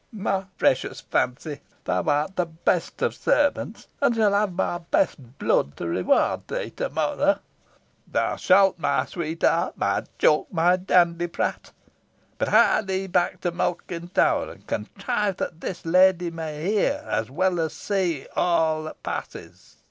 Ha! ha! My precious Fancy, thou art the best of servants, and shalt have my best blood to reward thee to morrow thou shalt, my sweetheart, my chuck, my dandyprat. But hie thee back to Malkin Tower, and contrive that this lady may hear, as well as see, all that passes.